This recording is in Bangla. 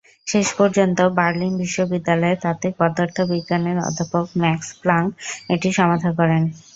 শেষ পর্যন্ত বার্লিন বিশ্ববিদ্যালয়ের তাত্ত্বিক পদার্থবিজ্ঞানের অধ্যাপক মাক্স প্লাংক এটি সমাধা করেন।